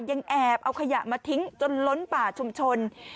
ยังแอบเอาขยะมาทิ้งจนล้นป่าชุมชน